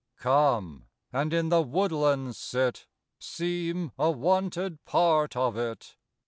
Come, and in the woodland sit, Seem a wonted part of it.